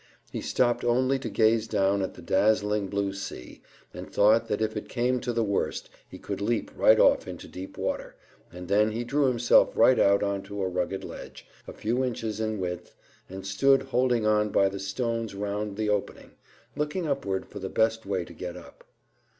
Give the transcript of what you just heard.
He stopped only to gaze down at the dazzling blue sea, and thought that if it came to the worst he could leap right off into deep water, and then he drew himself right out on to a rugged ledge, a few inches in width, and stood holding on by the stones round the opening, looking upward for the best way to get up.